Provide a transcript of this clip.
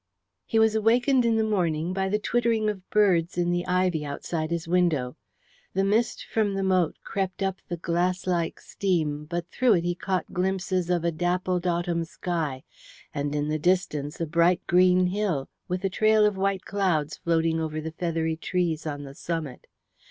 He was awakened in the morning by the twittering of birds in the ivy outside his window. The mist from the moat crept up the glasslike steam, but through it he caught glimpses of a dappled autumn sky, and in the distance a bright green hill, with a trail of white clouds floating over the feathery trees on the summit.